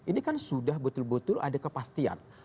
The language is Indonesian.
ini kan sudah betul betul ada kepastian